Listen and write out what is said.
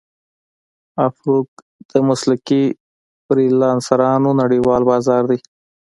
افورک د مسلکي فریلانسرانو نړیوال بازار دی.